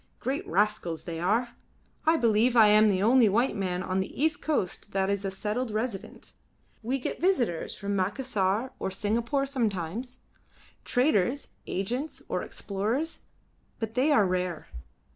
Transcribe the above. Great rascals they are. I believe I am the only white man on the east coast that is a settled resident. We get visitors from Macassar or Singapore sometimes traders, agents, or explorers, but they are rare.